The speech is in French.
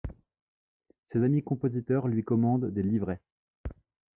Ses amis compositeurs lui commandent des livrets.